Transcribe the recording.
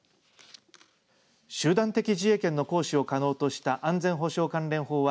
集団的自衛権の行使を可能とした安全保障関連法は